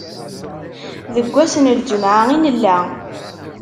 Deg ass n lǧemɛa i nella?